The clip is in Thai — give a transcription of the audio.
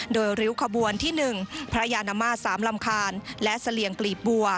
โดยริ้วขบวนที่๑พระยานมาตร๓ลำคาญและเสลี่ยงกลีบบัว